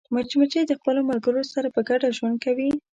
مچمچۍ د خپلو ملګرو سره په ګډه ژوند کوي